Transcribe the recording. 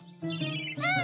うん！